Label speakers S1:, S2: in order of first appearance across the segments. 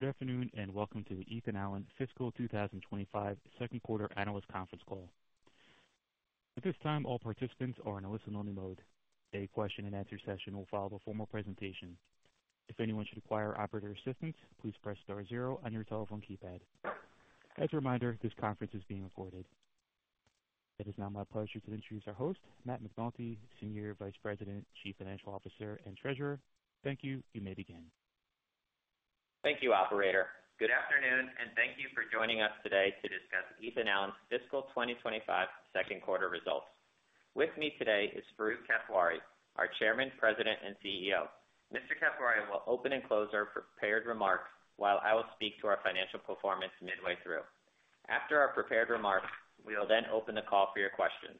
S1: Good afternoon and welcome to the Ethan Allen Fiscal 2025 Q2 Analyst Conference Call. At this time, all participants are in a listen-only mode. A question-and-answer session will follow the formal presentation. If anyone should require operator assistance, please press star zero on your telephone keypad. As a reminder, this conference is being recorded. It is now my pleasure to introduce our host, Matt McNulty, Senior Vice President, Chief Financial Officer, and Treasurer. Thank you. You may begin.
S2: Thank you, Operator. Good afternoon, and thank you for joining us today to discuss Ethan Allen's Fiscal 2025 Q2 results. With me today is Farooq Kathwari, our Chairman, President, and CEO. Mr. Kathwari will open and close our prepared remarks while I will speak to our financial performance midway through. After our prepared remarks, we will then open the call for your questions.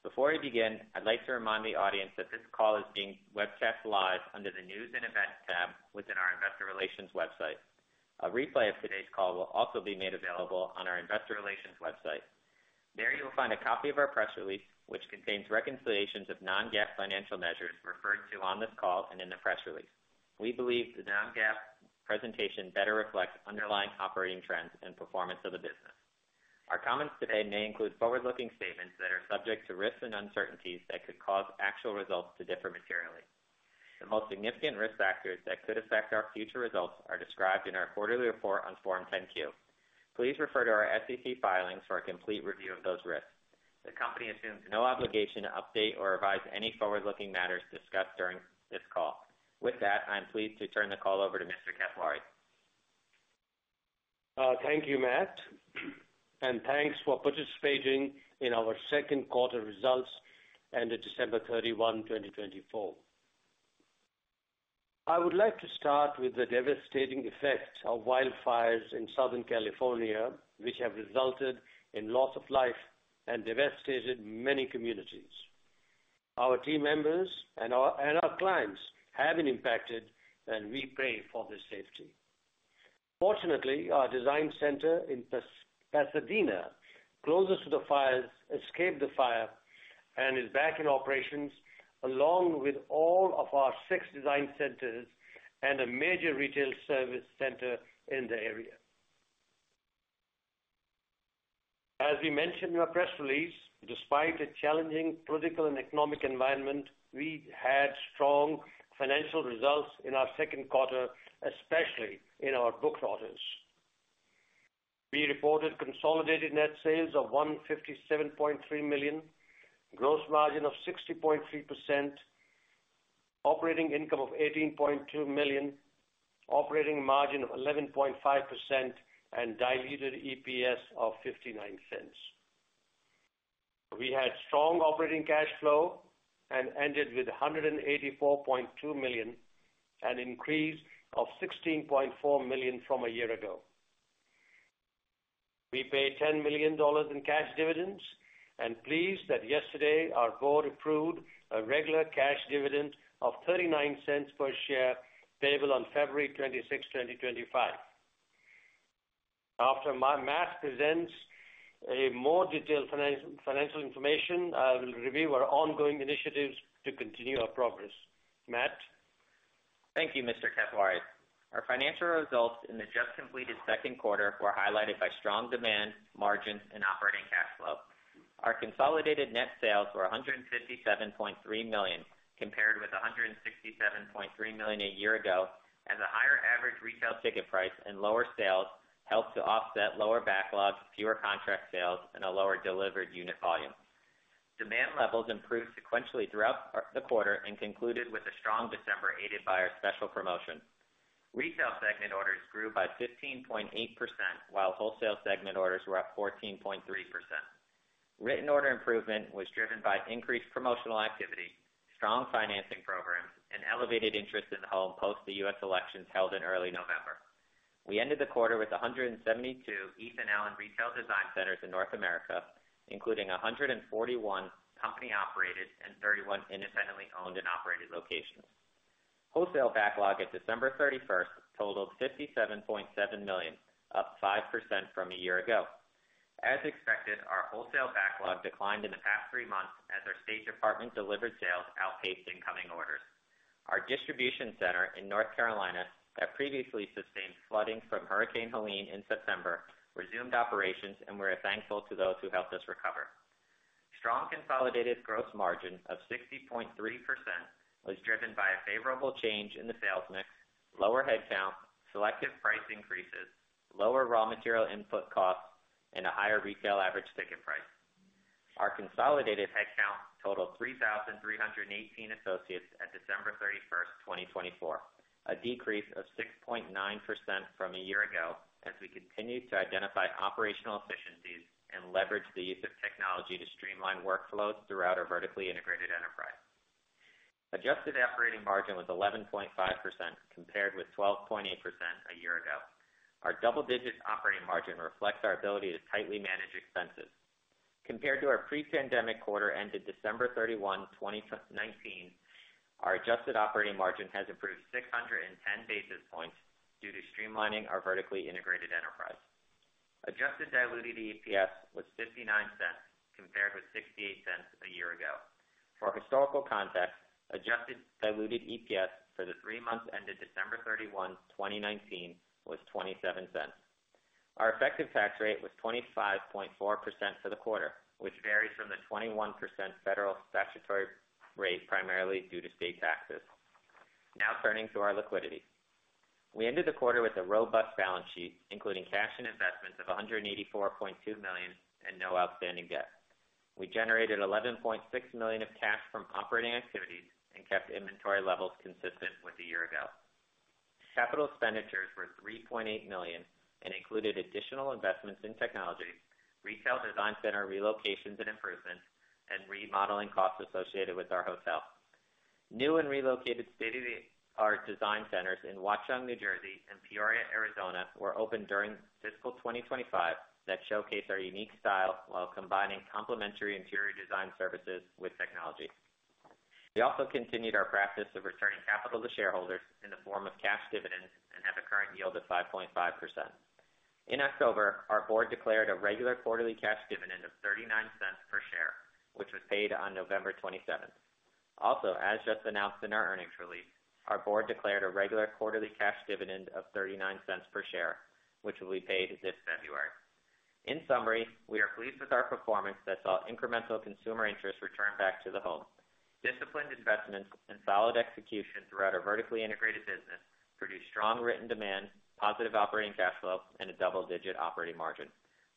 S2: Before we begin, I'd like to remind the audience that this call is being webcast live under the News and Events tab within our Investor Relations website. A replay of today's call will also be made available on our Investor Relations website. There you will find a copy of our press release, which contains reconciliations of non-GAAP financial measures referred to on this call and in the press release. We believe the non-GAAP presentation better reflects underlying operating trends and performance of the business. Our comments today may include forward-looking statements that are subject to risks and uncertainties that could cause actual results to differ materially. The most significant risk factors that could affect our future results are described in our Quarterly Report on Form 10-Q. Please refer to our SEC filings for a complete review of those risks. The company assumes no obligation to update or revise any forward-looking matters discussed during this call. With that, I'm pleased to turn the call over to Mr. Kathwari.
S3: Thank you, Matt, and thanks for participating in our Q2 results ended December 31, 2024. I would like to start with the devastating effects of wildfires in Southern California, which have resulted in loss of life and devastated many communities. Our team members and our clients have been impacted, and we pray for their safety. Fortunately, our Design Center in Pasadena, closest to the fires, escaped the fire and is back in operations along with all of our six Design Centers and a major retail service center in the area. As we mentioned in our press release, despite a challenging political and economic environment, we had strong financial results in our Q2, especially in our book orders. We reported consolidated net sales of $157.3 million, gross margin of 60.3%, operating income of $18.2 million, operating margin of 11.5%, and diluted EPS of $0.59. We had strong operating cash flow and ended with $184.2 million, an increase of $16.4 million from a year ago. We paid $10 million in cash dividends and are pleased that yesterday our board approved a regular cash dividend of $0.39 per share payable on February 26, 2025. After Matt presents more detailed financial information, I will review our ongoing initiatives to continue our progress. Matt.
S2: Thank you, Mr. Kathwari. Our financial results in the just-completed Q2 were highlighted by strong demand, margins, and operating cash flow. Our consolidated net sales were $157.3 million, compared with $167.3 million a year ago, as a higher average retail ticket price and lower sales helped to offset lower backlog, fewer contract sales, and a lower delivered unit volume. Demand levels improved sequentially throughout the quarter and concluded with a strong December aided by our special promotion. Retail segment orders grew by 15.8%, while wholesale segment orders were up 14.3%. Written order improvement was driven by increased promotional activity, strong financing programs, and elevated interest in the home post the U.S. elections held in early November. We ended the quarter with 172 Ethan Allen Retail Design Centers in North America, including 141 company-operated and 31 independently owned and operated locations. Wholesale backlog at December 31st totaled $57.7 million, up 5% from a year ago. As expected, our wholesale backlog declined in the past three months as our U.S. Department of State delivered sales outpaced incoming orders. Our distribution center in North Carolina that previously sustained flooding from Hurricane Helene in September resumed operations, and we are thankful to those who helped us recover. Strong consolidated gross margin of 60.3% was driven by a favorable change in the sales mix, lower headcount, selective price increases, lower raw material input costs, and a higher retail average ticket price. Our consolidated headcount totaled 3,318 associates at December 31, 2024, a decrease of 6.9% from a year ago as we continue to identify operational efficiencies and leverage the use of technology to streamline workflows throughout our vertically integrated enterprise. Adjusted operating margin was 11.5%, compared with 12.8% a year ago. Our double-digit operating margin reflects our ability to tightly manage expenses. Compared to our pre-pandemic quarter ended December 31, 2019, our adjusted operating margin has improved 610 basis points due to streamlining our vertically integrated enterprise. Adjusted diluted EPS was $0.59, compared with $0.68 a year ago. For historical context, adjusted diluted EPS for the three months ended December 31, 2019, was $0.27. Our effective tax rate was 25.4% for the quarter, which varies from the 21% federal statutory rate primarily due to state taxes. Now turning to our liquidity. We ended the quarter with a robust balance sheet, including cash and investments of $184.2 million and no outstanding debt. We generated $11.6 million of cash from operating activities and kept inventory levels consistent with a year ago. Capital expenditures were $3.8 million and included additional investments in technology, retail design center relocations and improvements, and remodeling costs associated with our hotel. New and relocated state-of-the-art design centers in Watchung, New Jersey, and Peoria, Arizona, were opened during Fiscal 2025 that showcase our unique style while combining complementary interior design services with technology. We also continued our practice of returning capital to shareholders in the form of cash dividends and have a current yield of 5.5%. In October, our board declared a regular quarterly cash dividend of $0.39 per share, which was paid on November 27th. Also, as just announced in our earnings release, our board declared a regular quarterly cash dividend of $0.39 per share, which will be paid this February. In summary, we are pleased with our performance that saw incremental consumer interest return back to the home. Disciplined investments and solid execution throughout our vertically integrated business produce strong written demand, positive operating cash flow, and a double-digit operating margin.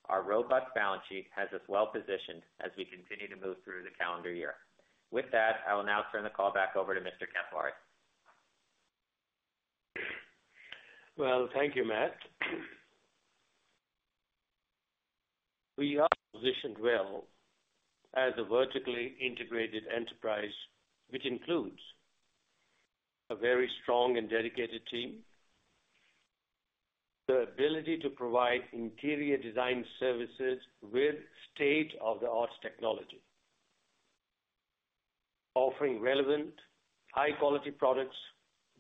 S2: Our robust balance sheet has us well positioned as we continue to move through the calendar year. With that, I will now turn the call back over to Mr. Kathwari.
S3: Well, thank you, Matt. We are positioned well as a vertically integrated enterprise, which includes a very strong and dedicated team, the ability to provide interior design services with state-of-the-art technology, offering relevant, high-quality products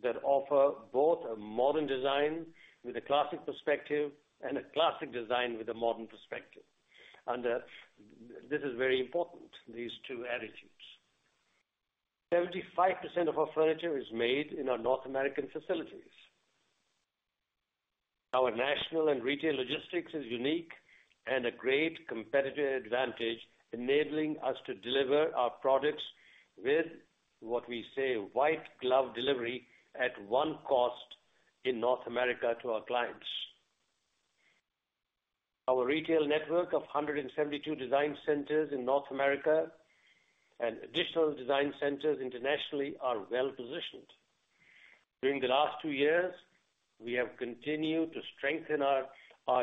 S3: that offer both a modern design with a classic perspective and a classic design with a modern perspective. This is very important, these two attitudes. 75% of our furniture is made in our North American facilities. Our national and retail logistics is unique and a great competitive advantage, enabling us to deliver our products with what we say, "white glove delivery" at one cost in North America to our clients. Our retail network of 172 design centers in North America and additional design centers internationally are well positioned. During the last two years, we have continued to strengthen our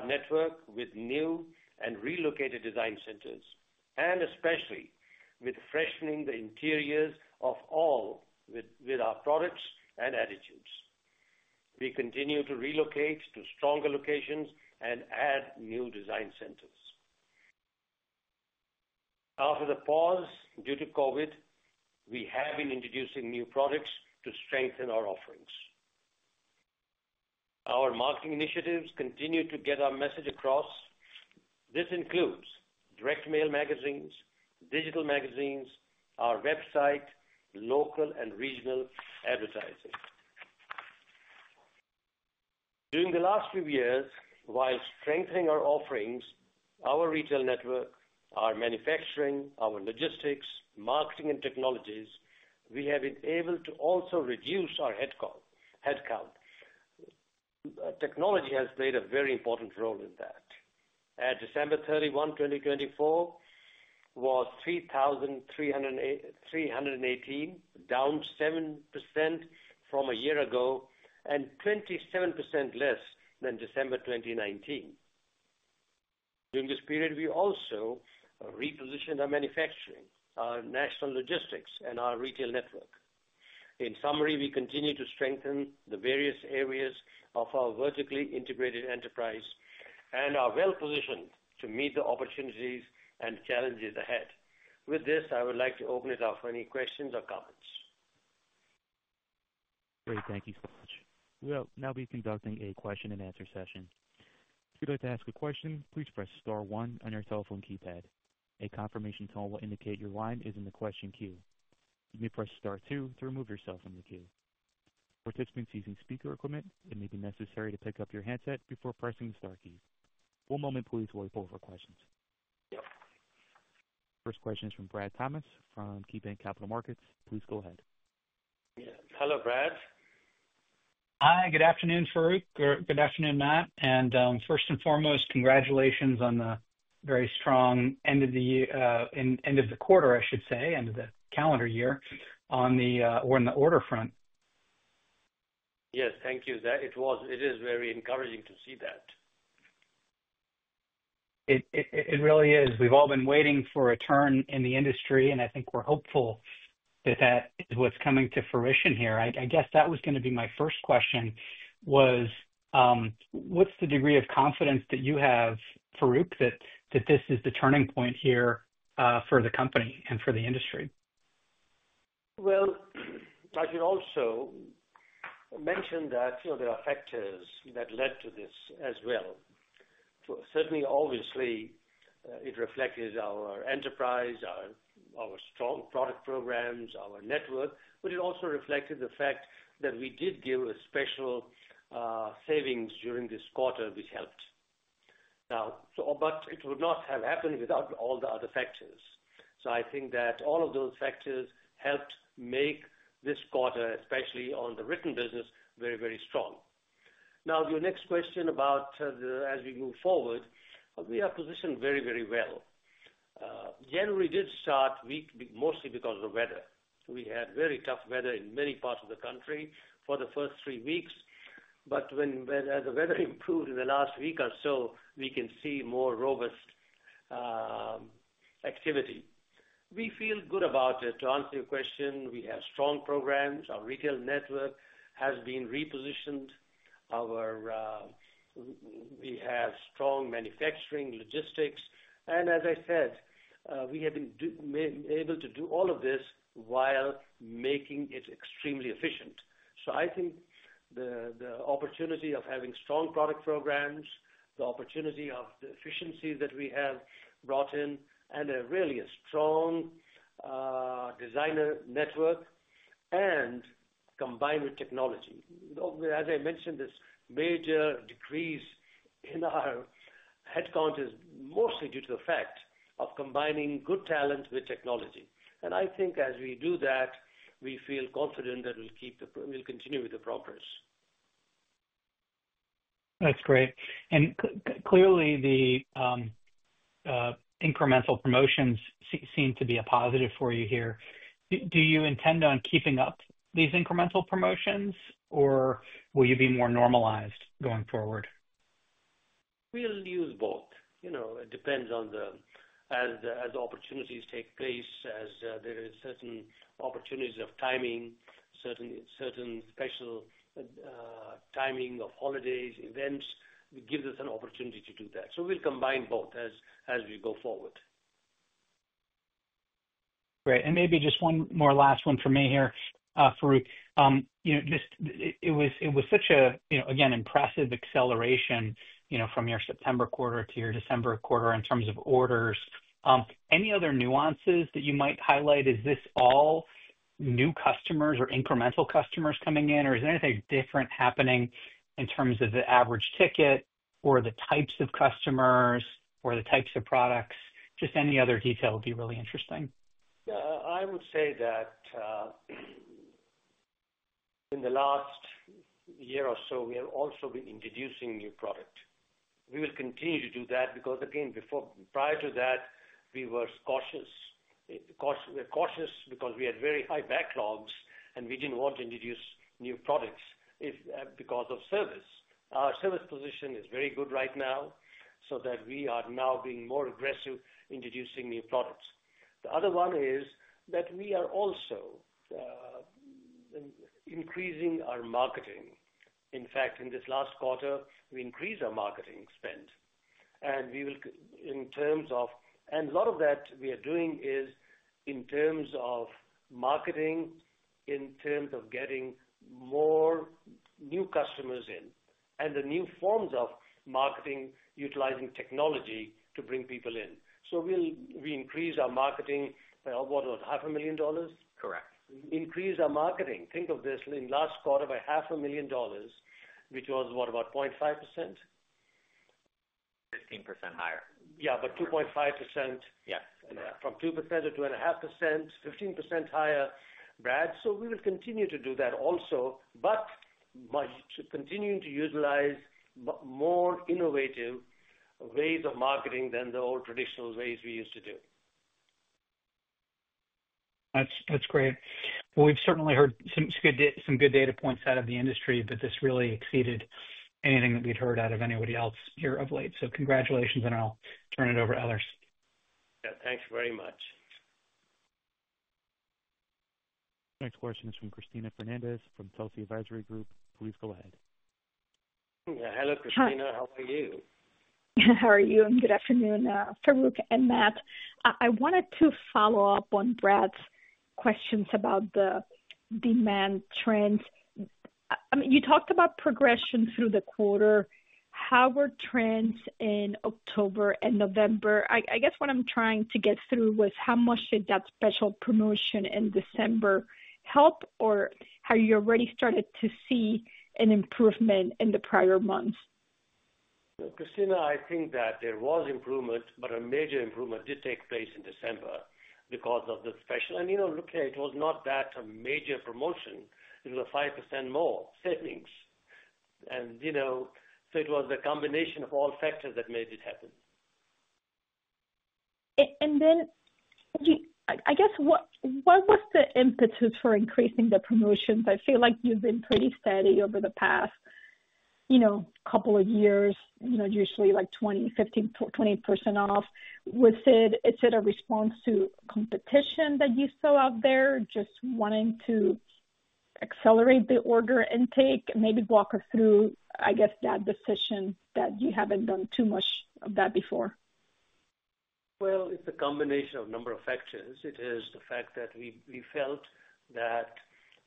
S3: network with new and relocated design centers and especially with freshening the interiors of all with our products and attitudes. We continue to relocate to stronger locations and add new design centers. After the pause due to COVID, we have been introducing new products to strengthen our offerings. Our marketing initiatives continue to get our message across. This includes direct mail magazines, digital magazines, our website, local and regional advertising. During the last few years, while strengthening our offerings, our retail network, our manufacturing, our logistics, marketing, and technologies, we have been able to also reduce our headcount. Technology has played a very important role in that. At December 31, 2024, was 3,318, down 7% from a year ago and 27% less than December 2019. During this period, we also repositioned our manufacturing, our national logistics, and our retail network. In summary, we continue to strengthen the various areas of our vertically integrated enterprise and are well positioned to meet the opportunities and challenges ahead. With this, I would like to open it up for any questions or comments.
S1: Great. Thank you so much. We will now be conducting a question-and-answer session. If you'd like to ask a question, please press star one on your telephone keypad. A confirmation tone will indicate your line is in the question queue. You may press Star 2 to remove yourself from the queue. For participants using speaker equipment, it may be necessary to pick up your handset before pressing the Star key. One moment, please, while we pull up our questions. First question is from Brad Thomas from KeyBanc Capital Markets. Please go ahead.
S2: Yes. Hello, Brad.
S4: Hi. Good afternoon, Farooq. Good afternoon, Matt, and first and foremost, congratulations on the very strong end of the quarter, I should say, end of the calendar year on the order front.
S2: Yes. Thank you. It is very encouraging to see that.
S4: It really is. We've all been waiting for a turn in the industry, and I think we're hopeful that that is what's coming to fruition here. I guess that was going to be my first question, was what's the degree of confidence that you have, Farooq, that this is the turning point here for the company and for the industry?
S3: I should also mention that there are factors that led to this as well. Certainly, obviously, it reflected our enterprise, our strong product programs, our network, but it also reflected the fact that we did give a special savings during this quarter, which helped. But it would not have happened without all the other factors. So I think that all of those factors helped make this quarter, especially on the written business, very, very strong. Now, your next question about as we move forward, we are positioned very, very well. January did start mostly because of the weather. We had very tough weather in many parts of the country for the first three weeks. But as the weather improved in the last week or so, we can see more robust activity. We feel good about it. To answer your question, we have strong programs. Our retail network has been repositioned. We have strong manufacturing, logistics, and as I said, we have been able to do all of this while making it extremely efficient, so I think the opportunity of having strong product programs, the opportunity of the efficiencies that we have brought in, and really a strong designer network, and combined with technology. As I mentioned, this major decrease in our headcount is mostly due to the fact of combining good talent with technology, and I think as we do that, we feel confident that we'll continue with the progress.
S4: That's great, and clearly, the incremental promotions seem to be a positive for you here. Do you intend on keeping up these incremental promotions, or will you be more normalized going forward?
S3: We'll use both. It depends on the opportunities take place, as there are certain opportunities of timing, certain special timing of holidays, events that give us an opportunity to do that, so we'll combine both as we go forward.
S4: Great. And maybe just one more last one for me here, Farooq. It was such a, again, impressive acceleration from your September quarter to your December quarter in terms of orders. Any other nuances that you might highlight? Is this all new customers or incremental customers coming in, or is there anything different happening in terms of the average ticket or the types of customers or the types of products? Just any other detail would be really interesting.
S3: I would say that in the last year or so, we have also been introducing new products. We will continue to do that because, again, prior to that, we were cautious. We were cautious because we had very high backlogs, and we didn't want to introduce new products because of service. Our service position is very good right now, so that we are now being more aggressive introducing new products. The other one is that we are also increasing our marketing. In fact, in this last quarter, we increased our marketing spend, and in terms of, and a lot of that we are doing is in terms of marketing, in terms of getting more new customers in and the new forms of marketing utilizing technology to bring people in. So we increased our marketing by, what, about $500,000?
S2: Correct.
S3: We increased our marketing. Think of this. In the last quarter, by $500,000, which was what, about 0.5%?
S2: 15% higher.
S3: Yeah, but 2.5%.
S2: Yes.
S3: From 2% to 2.5%, 15% higher, Brad. So we will continue to do that also, but continuing to utilize more innovative ways of marketing than the old traditional ways we used to do.
S4: That's great. Well, we've certainly heard some good data points out of the industry, but this really exceeded anything that we'd heard out of anybody else here of late. So congratulations, and I'll turn it over to others.
S2: Yeah. Thanks very much.
S1: Next question is from Cristina Fernández from Telsey Advisory Group. Please go ahead.
S2: Hello, Christina. How are you?
S5: How are you? And good afternoon, Farooq and Matt. I wanted to follow up on Brad's questions about the demand trends. You talked about progression through the quarter. How were trends in October and November? I guess what I'm trying to get through was how much did that special promotion in December help, or have you already started to see an improvement in the prior months?
S3: Cristina, I think that there was improvement, but a major improvement did take place in December because of the special. And look, it was not that a major promotion. It was a 5% more savings. And so it was the combination of all factors that made it happen.
S5: And then, I guess, what was the impetus for increasing the promotions? I feel like you've been pretty steady over the past couple of years, usually like 20% off. Was it a response to competition that you saw out there just wanting to accelerate the order intake? Maybe walk us through, I guess, that decision that you haven't done too much of that before.
S3: It's a combination of a number of factors. It is the fact that we felt that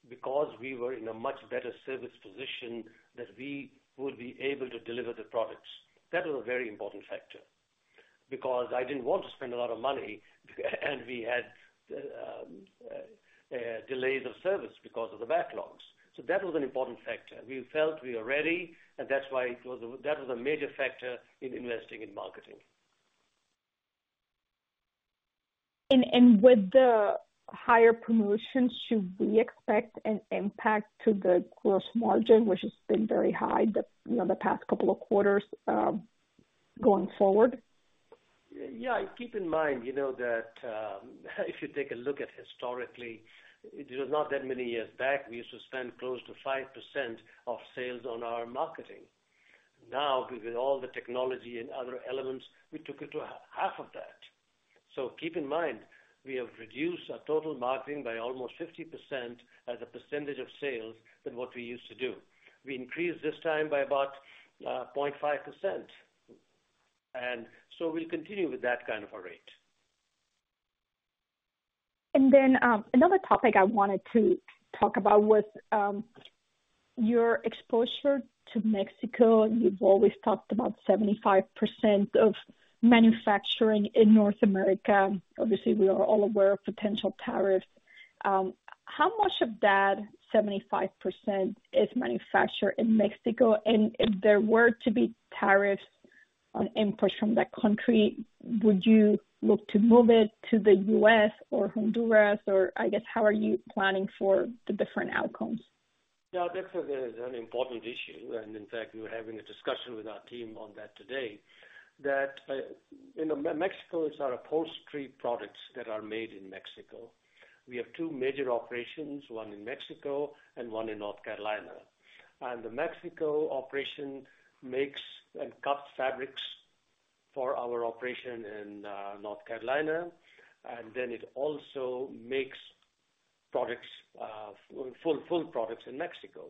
S3: because we were in a much better service position, that we would be able to deliver the products. That was a very important factor because I didn't want to spend a lot of money, and we had delays of service because of the backlogs. That was an important factor. We felt we were ready, and that's why that was a major factor in investing in marketing.
S5: With the higher promotions, should we expect an impact to the gross margin, which has been very high the past couple of quarters going forward?
S3: Yeah. Keep in mind that if you take a look at historically, it was not that many years back, we used to spend close to 5% of sales on our marketing. Now, with all the technology and other elements, we took it to half of that. So keep in mind, we have reduced our total marketing by almost 50% as a percentage of sales than what we used to do. We increased this time by about 0.5%, and so we'll continue with that kind of a rate.
S5: Another topic I wanted to talk about was your exposure to Mexico. You've always talked about 75% of manufacturing in North America. Obviously, we are all aware of potential tariffs. How much of that 75% is manufactured in Mexico? And if there were to be tariffs on imports from that country, would you look to move it to the U.S. or Honduras? Or I guess, how are you planning for the different outcomes?
S3: Yeah. Mexico is an important issue. And in fact, we were having a discussion with our team on that today, that Mexico is our upholstery products that are made in Mexico. We have two major operations, one in Mexico and one in North Carolina. And the Mexico operation makes and cuts fabrics for our operation in North Carolina. And then it also makes full products in Mexico.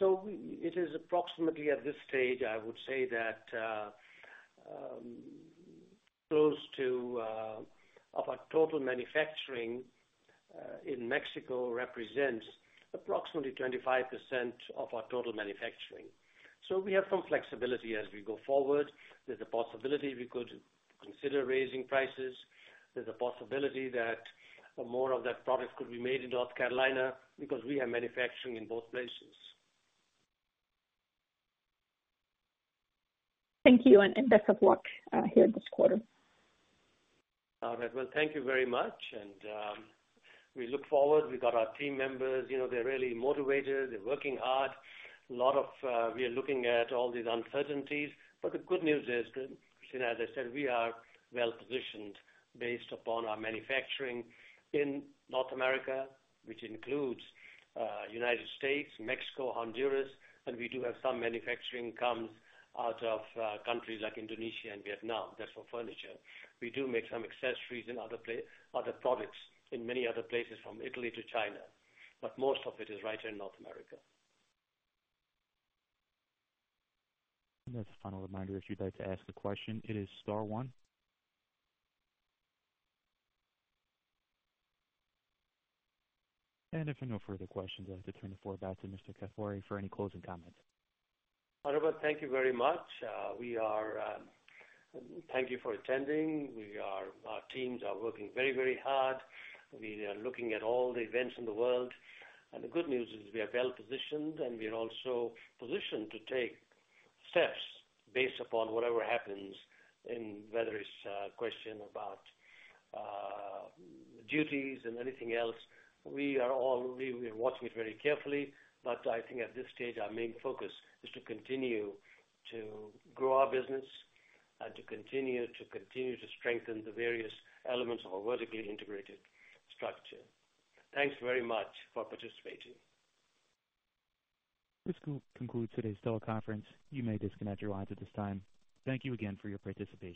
S3: So it is approximately at this stage, I would say that close to our total manufacturing in Mexico represents approximately 25% of our total manufacturing. So we have some flexibility as we go forward. There's a possibility we could consider raising prices. There's a possibility that more of that product could be made in North Carolina because we have manufacturing in both places.
S5: Thank you. And best of luck here this quarter.
S3: All right. Well, thank you very much, and we look forward. We got our team members. They're really motivated. They're working hard. We are looking at all these uncertainties, but the good news is, Cristina, as I said, we are well positioned based upon our manufacturing in North America, which includes the United States, Mexico, Honduras, and we do have some manufacturing that comes out of countries like Indonesia and Vietnam. That's for furniture. We do make some accessories and other products in many other places from Italy to China, but most of it is right here in North America.
S1: As a final reminder, if you'd like to ask a question, it is Star one. If there are no further questions, I'd like to turn the floor back to Mr. Kathwari for any closing comments.
S3: All right. Well, thank you very much. Thank you for attending. Our teams are working very, very hard. We are looking at all the events in the world, and the good news is we are well positioned, and we are also positioned to take steps based upon whatever happens, whether it's a question about duties and anything else. We are watching it very carefully, but I think at this stage, our main focus is to continue to grow our business and to continue to strengthen the various elements of our vertically integrated structure. Thanks very much for participating.
S1: This concludes today's teleconference. You may disconnect your lines at this time. Thank you again for your participation.